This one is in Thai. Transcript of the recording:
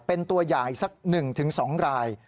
เป็นตัวย่ายสักหนึ่งถึงสองราย